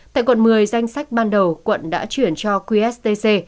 tại quận một mươi danh sách ban đầu quận đã chuyển cho qst